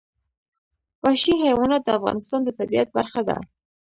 وحشي حیوانات د افغانستان د طبیعت برخه ده.